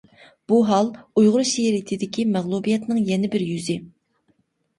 بۇ ھال ئۇيغۇر شېئىرىيىتىدىكى مەغلۇبىيەتنىڭ يەنە بىر يۈزى.